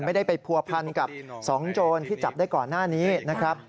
ไม่ได้ไปผัวพันกับ๒โจรที่จับได้ก่อนหน้านี้นะครับ